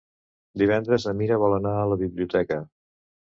Divendres na Mira vol anar a la biblioteca.